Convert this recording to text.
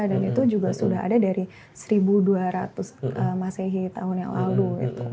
dan itu juga sudah ada dari seribu dua ratus masehi tahun yang lalu gitu